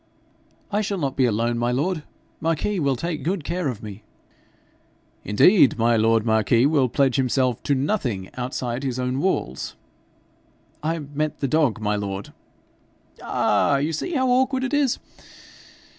'I shall not be alone, my lord. Marquis will take good care of me.' 'Indeed, my lord marquis will pledge himself to nothing outside his own walls.' 'I meant the dog, my lord.' 'Ah! you see how awkward it is.